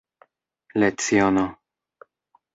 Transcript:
leciono